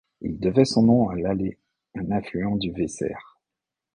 Il devait son nom à l'Aller, un affluent du Weser.